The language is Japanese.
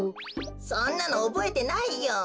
そんなのおぼえてないよ。